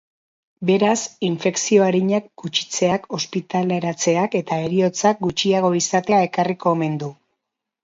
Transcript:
Beraz, infekzio arinak gutxitzeak ospitaleratzeak eta heriotzak gutxiago izatea ekarriko omen du.